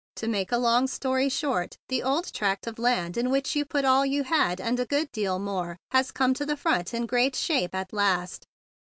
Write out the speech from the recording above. "To make a long story short, the old tract of land in which you put all you had and a good deal more has come to the front in great shape at last.